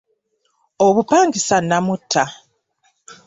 Obupangisa namutta.